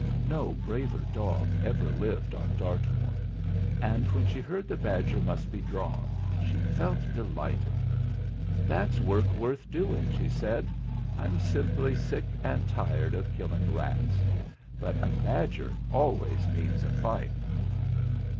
No braver dog ever lived on Dartmoor, and when she heard the badger must be drawn she felt delighted. "That's work worth doing," she said. "I'm simply sick and tired of killing rats; but a badger always means a fight."